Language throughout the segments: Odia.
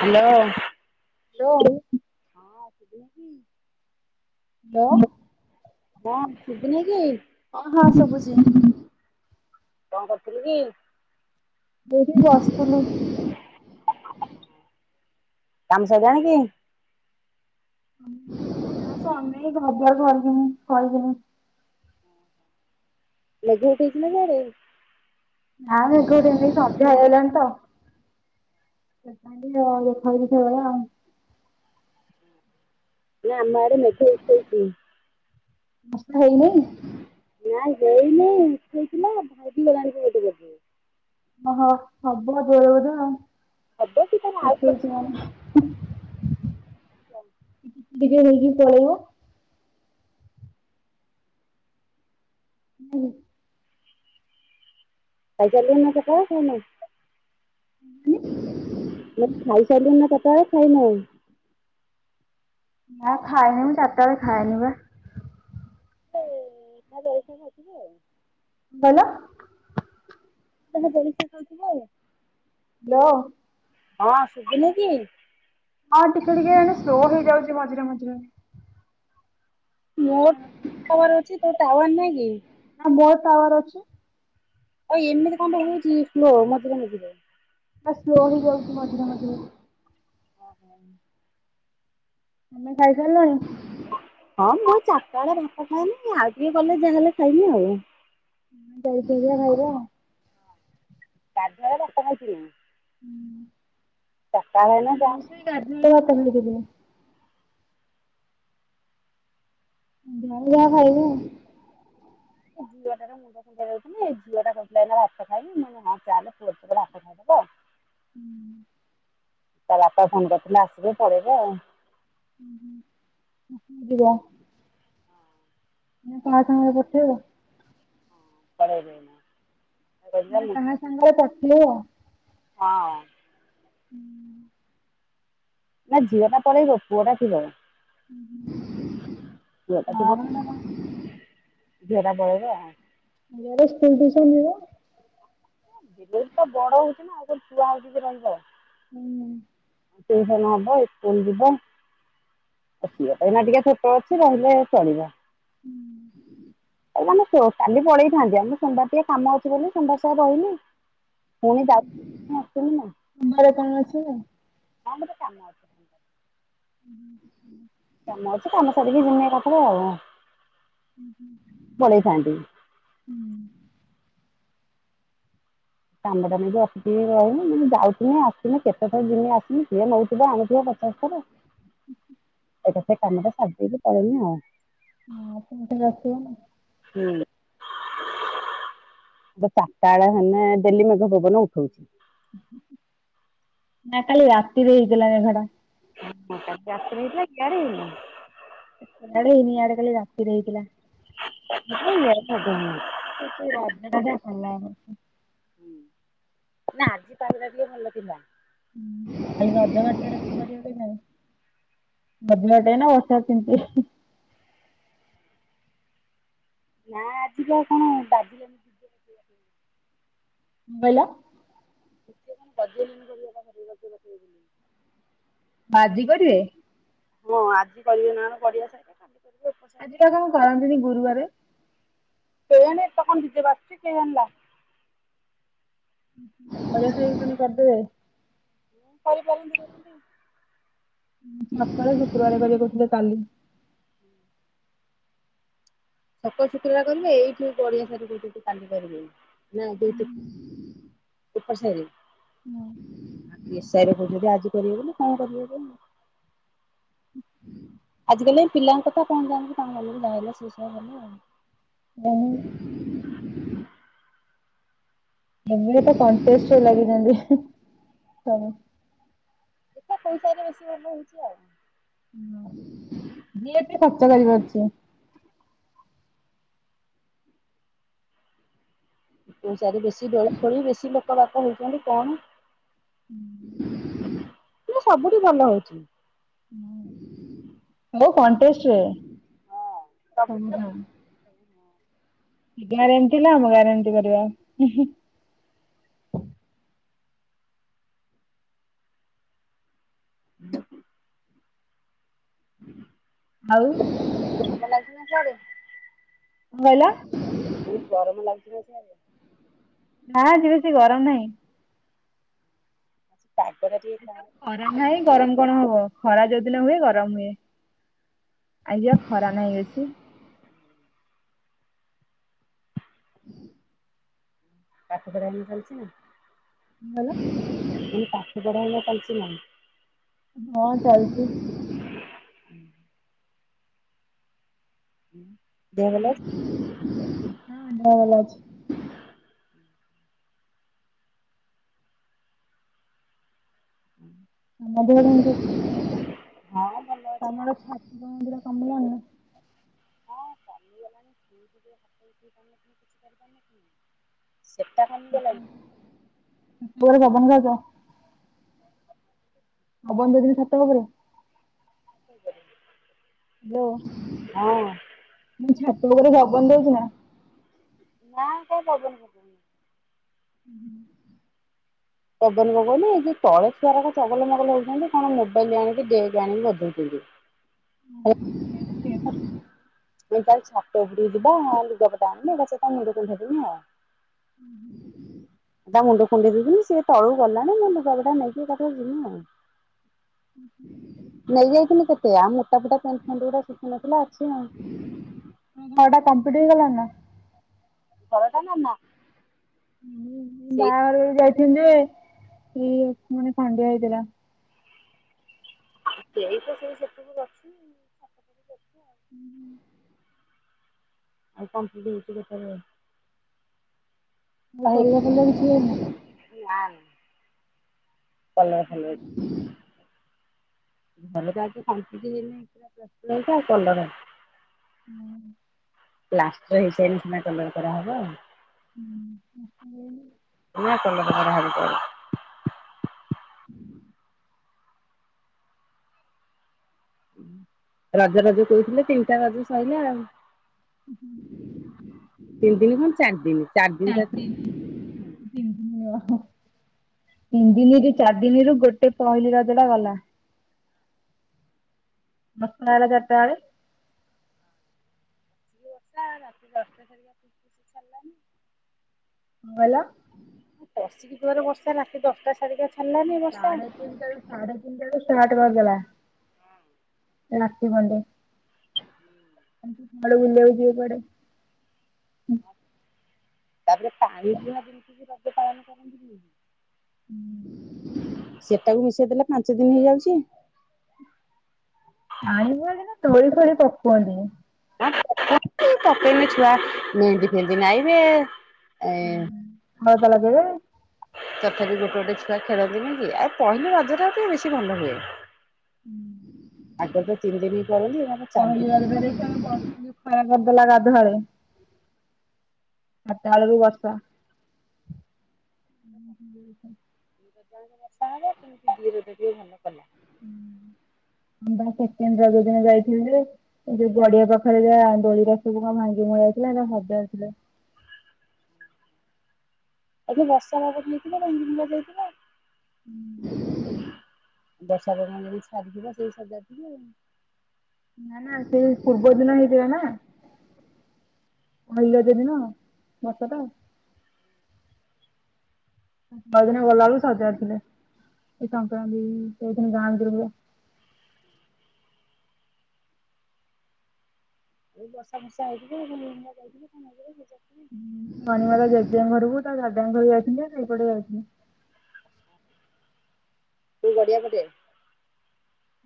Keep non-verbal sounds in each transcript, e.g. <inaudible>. ହ୍ୟାଲୋ। ହ୍ୟାଲୋ। <unintelligible> ହ୍ୟାଲୋ। ହଁ ସୁବୁନି କି। ହଁ ହଁ ସବୁ ଚି। କଅଁ କରିଥିଲୁ କି? ଏଇଠି ବସ୍‌ଥିଲି। କାମ୍ ସଇଲାଣି କି? ନା ସରିନାହିଁ। ଘର ଦୁଆର ଖରିକିନି ଖରିକିନି। ମେଘ ଉଠେଇ ଥିଲା କି ହାଡ଼େ ନା ମେଘଉଠେଇନି ସନ୍ଧ୍ୟା ହେଇଗଲାଣି ତ। <unintelligible> ନା ଆମ ଆଡ଼େ ମେଘ ଉଠଉଚି। ପାଞ୍ଚଟା ହେଇନେଇ? ନାଇଁ ଦେଇ ନେଇ ଉଠଇଥିଲା ଭାଙ୍ଗିଗଲାଣି ଗଲାଣି ବି ଗୋଟେ ପଟେ ଓହୋ ହବ ଜୋଓରେ ହବ କି ତାର ଆଉ ବୋଧେ ଆଉ। ଉଠେଇଚି। ଟିକେ ହେଇକି ପଳେଇବ। ହୁଁ। ଖାଇସାରିଲୁଣି ନା ସକାଳେ ପୁଣି ନଉ। ଖାଇସାରିଲୁଣି ନା ସକଳେ ପୁଣି ନଉ। ନା ଖାଇନି ମୁଁ ଚାରିଟା ବେଳେ ଖାଏନି ବା ଏ ଜୟସଙ୍ଗ ଅଛି କି ଆଉ। ଭଲ। ତମେ ଜଳଖିଆ ଖାଉଥିବ ଆଉ। ହ୍ୟାଲୋ। ହଁ ଆସୁଥିନି କି? ହଁ ଟିକେ ଟିକେ ଏଣେ ସ୍ଲୋ ହେଇଯାଉଛି ମଝିରେ ମଝିରେ। ମୋର୍ ଟାୱାର ଅଛି ତୋ ଟାୱାର ନାଇଁ କି? ନା ମୋର୍ ଟାୱାର ଅଛି। ଆ ଏମିତି କଣ ପାଇଁ ହେଉଛି ସ୍ଲୋ ମଝିରେ ମଝିରେ। ଆ ସ୍ଲୋ ହେଇଯାଉଛି ମଝିରେ ମଝିରେ। <inaudible> ତମେ ଖାଇସାରିଲଣି? ହଁ ମୁଁ ଚାରିଟା ବେଳେ ଭାତ ଖାଏନି ଆଉ ଟିକେ ଗଲେ ଯାହାହେଲେ ଖାଇମି ଆଉ। ଡେଥ୍ ହେଇଗଲା ଭାଇର। ଗାଧୁଆ ବେଳେ ଭାତ ଖାଇଥିଲି ମୁଁ ହୁଁ। ଚକା ନୟନ ଯାହା ପ୍ରବୁଲିରେ। ଯାହା ହେଲେ ଖାଇବୁ। ମୁଁ ଝି ମୁଁ ମୁଣ୍ଡ କୁଣ୍ଡେଇବାକୁ ଯାଉଥିଲି ଝିଅ ଟା କଉଥିଲା ଏଇନା ଭାତ ଖାଇବି ମୁଁ କହିଲି ହଁ ଚାଲେ ପୁଅର ତୋର ଭାତ ଖାଇଦବ। ହୁଁ। ତା ବାପା ଫୋନ କରିଥିଲା ଆସିବେ ପଳେଇବେ ଆଉ। ହୁଁ, ହୁଁ ଯିବା। ହୁଁ କା ସାଙ୍ଗରେ ପଠେଇବ? ପଳେଇଲେ ଏଇ ନା। ନା କାହା ସାଙ୍ଗରେ ପଠେଇବ? ହଁ। ହୁଁ। ନା ଝିଅ ଟା ପଳେଇବ ପୁଅଟା ଥିବ। ପୁଅଟା ନା ଥିବ ବା ନା। ଝିଅଟା ପଳେଇବ। ଝିଅ ଟା ସ୍କୁଲ ଟିଉସନ ଯିବ। ବହୁତ ବଡ଼ ହେଉଚିନା ଆଉ କଣ ଛୁଆ ହେଉଚି ଯେ ରହିବ। ହୁଁଁ। ଟିଉସନ ହବ ଇସ୍କୁଲ ଯିବ। <unintelligible> ଏଇନା ଟିକେ ଛୋଟ ଅଛି ରହିଲେ ଚଳିବ। ହୁଁ। <unintelligible> କାଲି ପଳେଇଥାନ୍ତି ଆମର ସୋମବାର ଟିକେ କାମ ଅଛି ବୋଲି ସୋମବାର ସରି ରହିଲି। ପୁଣି ଯାଉଥିମି ଆସୁଥିମି ନା। ଆମର କଣ ଅଛିକି। ହଁ ଗୋଟେ କାମ ଅଛି। କାମ ଅଛି କାମ ସାରିକି ଜିମି ଏକାଥରେ ଆଉ। ପଳେଇଥାନ୍ତି। କାମଟା ନେଇକି ଅସିକି ରହନି ଯାଉଥିମି ଆସୁଥିମି କେତ ଥର ଜିମି ଆସିମି ସିଏ ନଉଥିବେ ଆଣୁଥିବେ କ <unintelligible> ଏଇଟା ସେ କାମ ଟା ସାରିଦେଇକି ପଳେଇମି ଆଉ। ହଁ ପୁଣି ଥରେ ଆସିବନା। ହୁଁ। <unintelligible> ତାଳେ ହେନେ ଡେଲି ମେଘ ପବନ ଉଠୋଉଚି। ନା କାଲି ରାତିରେ ହେଇଥିଲା ମେଘ ଟା। ହଁ ତା ରାତିରେ ହେଇଥିଲା ଇଆଡେ ହେଇନି। ଇଆଡେ ହେଇନି ଇଆଡେ ଖାଲି ରାତି ରେ ହେଇଥିଲା। <unintelligible> କହୁଚି ରାତିଟାଯେ ହେଲାନି। ନା ଆଜି ପାଗ ଟା ଟିକେ ଭଲ ଥିଲା। ହଁ କାଲି ରଜବାଟୁଆରେ କଣ କରିବ କେଜାଣି। ରଜ ବାଟେଇବେନା ବର୍ଷାରେ ତିନ୍ତିବେ। ନା ଆଜିକା ଆଉ କଣ ବାଜିଲେନି। କଣ କହିଲ। <unintelligible> ଗଜ ପକେଇବେ ବୋଲି। ଆଜି କରିବେ। ହଁ ଆଜି କରିବେ ନା ବଢିଆ ସେ। ଆଜିପା କଣ କରନ୍ତିନି ଗୁରୁବାରେ। <unintelligible> <unintelligible> ତାନେ କରିଦେବେ। <unintelligible> ଅ ତାଙ୍କର ଶୁକ୍ରବାର କରିବେ କହୁଥିଲେ କାଲି। <unintelligible> ଏପଟ ସାଇରେ। ଏ ସାଇରେ କହୁଚନ୍ତି ଆଜି କରିବେ ବୋଲି କଣ କରିବେ କେୟାଣି। ଆଜ କାଲି ଏ ପିଲାଙ୍କ କଥା କଣ ଜାଣିବୁ ତାଙ୍କ ମନକୁ ଯାହା ଆଇଲା ସିଏ ସେଇଆ କରିବେ। ମହୁ। <unintelligible> କଣ୍ଟେକ୍ସଟ୍ ରେ ଲାଗିଛନ୍ତି ତମେ ସେ ତା ପଇସାରେ ବେଶୀ ବୋଲି ହଉଛି ଆଉ। ହଁ ଯିଏ ବି ଖର୍ଚ୍ଚ କରିପାରୁଚି। ଦୋ ଚାରି ବେଶୀ ଦୋଳି ଖୋଳି ବେଶୀ ଲୋକ ବାପ ହଉଚନ୍ତି କଣ ସବୁଠି ଭଲ ହଉଚି। କଣ୍ଟେକ୍ସଟ ରେ। ହଁ ସବୁଠି ତ ଗ୍ୟାରେଣ୍ଟି ଥିଲା ଆମ ଗ୍ୟାରେଣ୍ଟି କରିବା। <inaudible> ଆଉ <unintelligible> <unintelligible> ବହୁତ ଗରମ ଲାଗୁଚି ନା ଆଜି ବେଶି ଗରମ ନାହିଁ। ପାଗ ଟା ଆଜି ଟିକେ। ତ <unintelligible> ଖରା ନାହିଁ ଗରମ କଣ ହବ। ଖରା ଯୋଉଦିନ ହୁଏ ଗରମ ହୁଏ। ଆଜି ବା ଖରା ନାହିଁ ବେଶି। ପାଠ ପଢା ଏଇନୁ ଚାଲିଚି ନା? କଣ କହିଲି ପାଠପଢା ଏବେ ଚାଲିଚି ନା? ହଁ ଚାଲିଚି। ଦେହ ଭଲ ଅଛି? ହୁଁ ଦେହ ଭଲ ଅଛି। <inaudible> ତମ ଦେହ କେମିତି ଅଛି? ହଁ ଭଲ ଅଛି। ତମର ଛାତି ଯୋଉ ବିନ୍ଧୁଥିଲା କମିଲାଣି? ହଁ କମିଗଲାଣି <unintelligible> ସେଟା କଣ <unintelligible> ପବନ ଦଉଚିକି ଛାତ ଉପରେ? <unintelligible> <unintelligible> ହଁ। ମୁଁ କହିଲି ଛାତ ଉପରେ ପବନ ଦଉଚି ନା? ନା କାଇଁ ପବନ ପକଉନି। ଉଁ ହୁଁ। ପବନ ପକଉନି ଏଇ ଯୋଉ ତଳେ ଛୁଆ ଚଗଲ ମଗଲ ହଉଛନ୍ତି କଣ ମୋବାଇଲ ଆଣିକି ଡେକ୍ ଆଣିକ୍ ବଜଉଛନ୍ତି। <unintelligible> ଓହୋ, ଛାତ ଉପରକୁ ଯିବା ଲୁଗା ପଟା ଆଣିବା। <unintelligible> ତା ମୁଣ୍ଡ କୁଣ୍ଡେଇ ଦେଉଥିଲି ସେ ତଳକୁ ଗଲାଣି ମୁଁ ଲୁଗାପଟା ନେଇକି ଏକାଥରକେ ଯିବି ଆଉ। ନେଇଯାଇଥିଲି କେତେ ଆଉ ମୋଟା ଫୁଟା ପେଣ୍ଟ ଖଣ୍ଡି ଶୁଖି ନଥିଲା ଅଛି ଆଉ। ତମ ଘରଟା କମ୍ପିଟ ହେଇଗଲାଣି ନା? ଘର ଟା ନା। ସେଇ ବାହାଘର ଯାଇଥିଲି ଯେ ଇ ମାନେ ଖଣ୍ଡିଆ ହେଇଥିଲା। ସେଇତ ସେଇ ସେତିକିରୁ ଅଛି। <unintelligible> ଉଁ ହୁଁ। ଆଉ କମ୍ପ୍ଲିଟ୍ ହେଇଚି କେତେବଳେ। ଆଉ। କଲର ଫଲର କିଛି ହେଇନି? <unintelligible> କଲର୍ ଫଳର ଘର ତ ଆଜି। <unintelligible> <unintelligible> ପ୍ଲାଷ୍ଟର ହେଇସାରିଲେ ସିନା କଲର କରାହବ। <unintelligible> ନୂଆ କଲର କରାହବ ପରେ। ରଜ ରଜ କହୁଥିଲେ ତିନିଟା ରଜ ସଇଲା ଆଉ। ତିନି ଦିନ କଣ ଚାରି ଦିନ। ଚାରି ି ଦିନ <unintelligible> ତା <unintelligible> ତିନି ଦିନରୁ ଚାରି ଦିନରୁ ଗୋଟେ ପହିଲି ରଜଟା ଗଲା। ମସଲା ହେଲା ଚାରିଟା ବେଳେ। <inaudible> କଣ କହିଲ? <unintelligible> ବର୍ଷା ରାତି ଦଶଟା। <unintelligible> <unintelligible> ସେ ଛେନଁ <unintelligible> <unintelligible> ସାଡେିଟଳୁ ସାଡେଟଳୁ ସଷ୍ଟାର୍ଟ ବାଲା ଲ ତିବଣ୍ଡେ <unintelligible> ସକାଳୁ ବୁଲିବାକୁ ଯିବ କୁଆଡ଼େ? <unintelligible> ତାପରେ ପାଣି ପ ଜିନିତି ବି ରତ ପାଳନ କରନ୍ତିଁ <unintelligible> ସେଟାକୁ ମିଶେଇ ଦେଲେ ପାଞ୍ଚ ଦିନ ହେଇଯାଉଛି। ପାଣିିବୁଆନ୍ତି ନା ତୋଳି ଫୋଳି <unintelligible> ପକନ୍ତି। <unintelligible> ତକେଇନି ଛୁଆ ମେହେନ୍ଦି ଫେନ୍ଦି ନାଇଁବେ <unintelligible> ହଳତା ଲଗେଇବେ। ତଥାପି ଗୋଟେ ଗୋଟେ ଛୁଆ ଖେଳନ୍ତିନି କି ଆଉ ପହିଲି ରଜରେ ଟିକେ ବେଶୀ ଭଲ ହୁଏ। ଆଗ ତ ତିନି ଦିନ କରନ୍ତି ନା। ପହିଲି ରଜରେ <unintelligible> ଖରା କରିଦେଲା ଗାଧୁଆ ବେଳେ ଚାର୍ ଟା ବେଳରୁ ବର୍ଷା। <inaudible> <unintelligible> ବଷା ହେବମତିି ର ଟିକେ ଭଲ କଲା <unintelligible> <unintelligible> ମୁଁ ସେକେଣ୍ଡ ରଜ ଦିନ ଯାଇଥିଲି ଯେ ଯୋଉ ଗଡିଆ ପାଖରେ ଯା ଦୋଳିରେ ସବୁ କଣ ଭାଙ୍ଗି ମଳିଆ ଯଇଥିଲା ହଜାରେ ଥିଲା ଆ ଯେ ବର୍ଷା ବାାଗକୁ ନେଇଥିଲା ଭାଙ୍ଗି ଭୁଙ୍ଗା ଯାଇଥିଲା। ବର୍ଷା ପବନ ଯଦି ଛାଡିଥିବ ସେଇ ସବୁ <unintelligible> ଯା ଆଉ <unintelligible> ନା ନା ସେଇ ପୂର୍ବ ଦିନ ହେଇଥିଲା ନା ପହିଲି ରଜ ଦିନ ବର୍ସା ଟା। <unintelligible> ବଉଦିନ ଗଲାବେେଳକୁ ସଜାାଉଥିଲେ ଏ ସଂକ୍ରାନ୍ତି ଯୋଉଦିନ ଗାଁନ୍ତି ପ। <unintelligible> ଏଇ ବର୍ଷା ବର୍ଷା ହେଇିଥିଲେ <unintelligible> ବୁଲୁଆ ଯାଇଥିଲି କଣ ହେଯାଉଥିଲ। <unintelligible> ମନଣିମାାର ଜେଜେଆଙ୍କ ଘରକୁ ତା ଦାଦାଙ୍କ ଘର ଯାଇଛନ୍ତି ନା ସେଇପଟେ ଯାଇଛନ୍ତି। ତୁ ଗଢିଆ ପଟେ।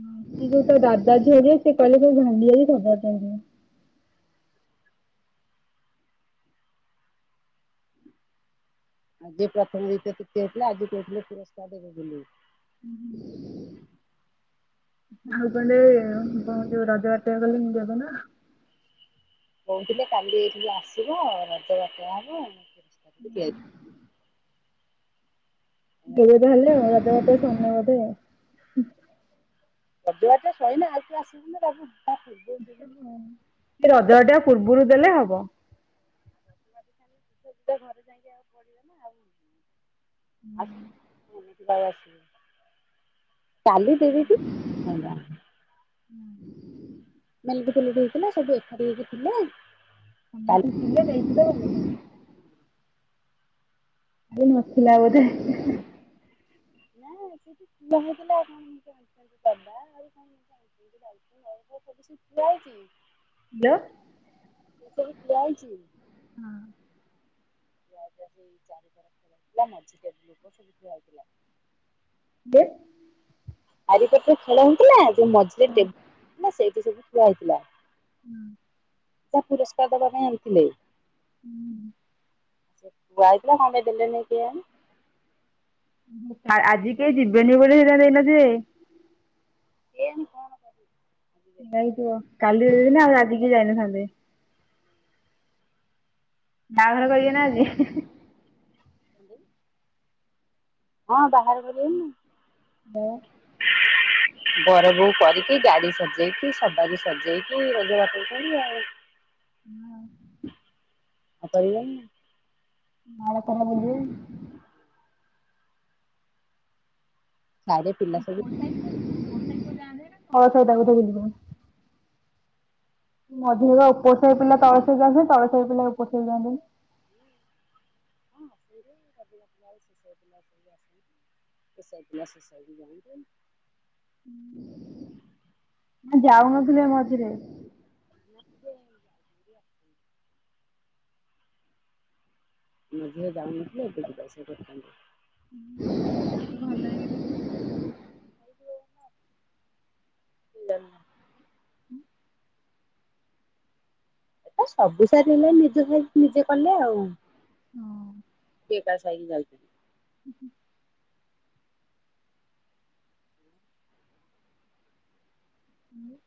ହଁ ସେ ଯୋଉ ତା ଦାଦା ଝିଅ ଜିଏ ସେ କହିଲେ ଭାଙ୍ଗି ଯାଇଛି ସଜାଡ଼ି ଦେବେ। ଆଯି <unintelligible> ପ୍ରଥମ ଦୃତିୟା ତୃତୀୟା ଥିଲେ ଆଜି କହୁଥିଲେ ପୁରସ୍କାର ଦେବେ ବୋଲି <unintelligible> <inaudible> <unintelligible> ହଉ କଣ୍ଡେ ଯୋଉ ରଜ ବାାତ ଟ କଲେ ମୁ ଯବ ନା। <unintelligible> କହୁଥିଲେ କାଲି ଏଇଠି ଆସିବ ଆ ରଜ <unintelligible> ବାଟଆ ହେବ ଆ ହୁଁ ହୁଁ <inaudible> <unintelligible> ବହ ହେଲେ ଆଉ ରଧ ରା ସେ ବୋଧେ। <unintelligible> ସଜ ବାଜ ସରିଲା ଆଉ ତୁ <unintelligible> ଆସିବୁନି <unintelligible> ରବୁ ହୁଁ। ସେ ରଜ ବାଜ ପୂର୍ବରୁ ଦେଲେ ହବ <unintelligible> ଟା ଘରେ ଯାଇକି ଆଉ ପିବ ନା ଆଉ <unintelligible> ବ ଆସ <unintelligible> କାଲି ଦେଇ ଦେଇଛି <unintelligible> <unintelligible> ମେଲିକ ଫେଲିଡିି ହେଇଥିଲା <unintelligible> ସବୁ ଏକାଠି ହେଇକି ଥିଲେ। <unintelligible> ହ ମ କାଲି ତ ସିଲେ ଦେଇଥିଲ ତ ଭ <unintelligible> ଆଉ ନଥିଲା ବୋଧେ। <unintelligible> ନା ସେଠିହୁଥିଲା ଆଉ <unintelligible> କଣ ଜିନିଷ ଆଣିଛନ୍ତିବା ଆ କଣ ଜିନିଷ ଆଣିଛନ୍ତି <unintelligible> <unintelligible> ସ କି <unintelligible> ହାଲୋ। <unintelligible> ସେ ବଛି <unintelligible> ହଁ। <unintelligible> ଯେ। ଚାରିପଟେ ଖେଳନ୍ତି ନା ଯୋଉ ମଝିରେ ଟେ ନା ସେଇଠି ସବୁ ଠିଆ ହେଇଥିଲା। ହୁଁ। ପୁରସ୍କାର ଦେବା ପାଇଁ ଆଣିଥିଲେ। ହୁଁ। ସେ ପୁଅ ଆଇଥିଲା, କଣ ପାଇଁ ଦେଲେନେଇ କେଇଆଣି? ଆ ଆଜି କେହି ଯିବେନି ବୋଲି ହେଇରା ଦେଇନ ଯେ କେଇଆଣି କଣ କରିବ? ଯାଇଥିବ କାଲି ଦେଇ ଦେଇଥାନ୍ତ ଆଉ ଆଜି କି ଯାଇନଥାନ୍ତେ। ବାହାଘର କରିବେ ନା ଆଜି? <inaudible> ହଁ ବାହାର କରିବେନି? ମୁଁ ବର ବୋହୁ କରିକି ଗାଡି ସଜେଇକି, ସବାରି ସଜେଇକି ରଜ ବଟଉଚନ୍ତି ଆଉ। <inaudible> ଆ କରିବା ନା ନାଇ ଭାରତର ଦେବୀ ସାଡେ ପିଲା ସବୁ ସ ସ ତାକୁ ଧରିକି ବୁଲିବ। ମଝିରେ ଉପର ସାହି ପିଲା ତଳସାଇ ଯାଆନ୍ତି ତଳସାଇ ପିଲା ଉପରସାଇ କି ଯାଆନ୍ତି। <inaudible> <unintelligible> ନା ଯାଉନଥିଲେ ମଝିରେ ମଝିରେ ଯାଉନଥିଲେ ଏବେ ଯିବା ଆସିବା କରୁଚନ୍ତି। ସବୁ ସାର ହେଲାନି, ନିଜେ ସାଇ ନିଜେ କଲେ ଆଉ। ହଁ। କି ଏକା ସାହିକି ଯାଇ ହୁଁ।